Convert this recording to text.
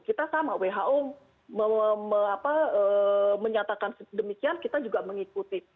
kita sama who menyatakan demikian kita juga mengikuti